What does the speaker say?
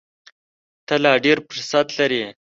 ته لا ډېر فرصت لرې !